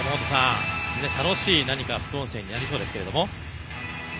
楽しい何か副音声になりそうですけども。